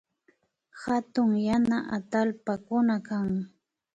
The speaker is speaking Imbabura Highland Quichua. Hatun yana atallpakuna kan